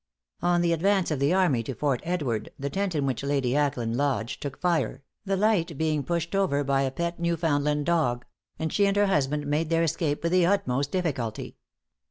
On the advance of the army to Fort Edward, the tent in which Lady Ackland lodged took fire, the light being pushed over by a pet Newfoundland dog; and she and her husband made their escape with the utmost difficulty.